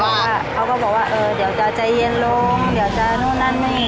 เขาก็บอกว่าเดี๋ยวจะเย็นลงเดี๋ยวจะนู่นนานนี่